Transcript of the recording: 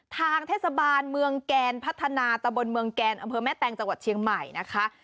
ทางเทศบาลเมืองแกนพัฒนาตะบนเมืองแกนอำเภอแม่แตงจังหวัดเชียงใหม่นะคะ